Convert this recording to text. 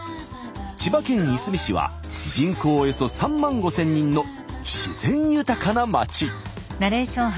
千葉県いすみ市は人口およそ３万５，０００人の自然豊かなまち。